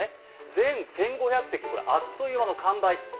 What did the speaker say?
全１５００席、あっという間の完売。